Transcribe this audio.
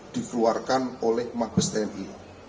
dikeluarkan oleh mabes tni